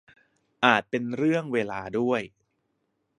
อาจเป็นเรื่องเวลาด้วย